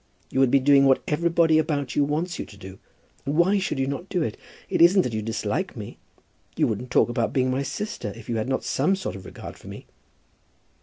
You would be doing what everybody about you wants you to do. And why should you not do it? It isn't that you dislike me. You wouldn't talk about being my sister, if you had not some sort of regard for me."